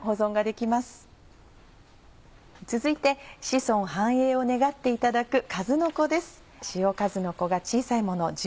続いて子孫繁栄を願っていただくかずのこです。